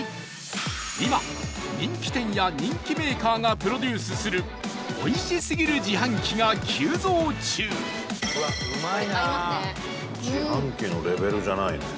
今、人気店や人気メーカーがプロデュースするおいしすぎる自販機が急増中うまい！